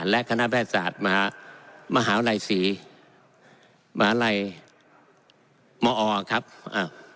และคณะแพทย์ศาสตร์มหาวนายศรีมหาลัยมอครับอ่ะ